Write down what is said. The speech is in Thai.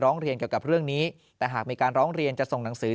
เรียนเกี่ยวกับเรื่องนี้แต่หากมีการร้องเรียนจะส่งหนังสือ